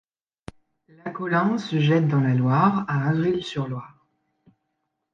L'Acolin se jette dans la Loire à Avril-sur-Loire.